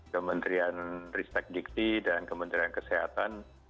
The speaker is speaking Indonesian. kementerian ristek dikti dan kementerian kesehatan